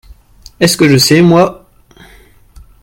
Est-ce que je sais, moi ?